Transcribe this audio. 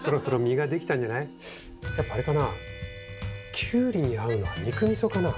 やっぱあれかなキュウリに合うのは肉みそかなぁ。